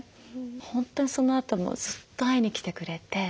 本当にそのあともずっと会いに来てくれて。